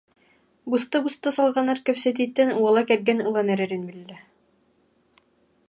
Быста-быста салҕанар кэпсэтииттэн уола кэргэн ылан эрэрин биллэ